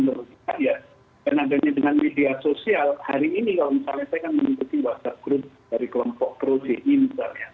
atau kalau mau menunggu kebesaran seperti ini